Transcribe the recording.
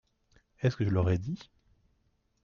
Est-ce que je leur ai dit ?…